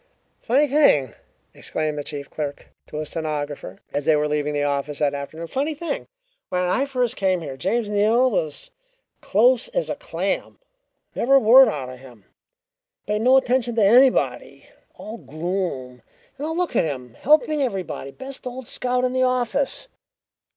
"Funny thing," exclaimed the chief clerk to a stenographer as they were leaving the office that afternoon. "Funny thing: when I first came here James Neal was close as a clam; never a word out of him. Paid no attention to anybody, all gloom. Now look at him helping everybody! Best old scout in the office!"